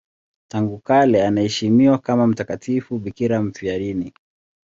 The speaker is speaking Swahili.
Tangu kale anaheshimiwa kama mtakatifu bikira mfiadini.